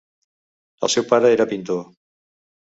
El seu pare era pintor.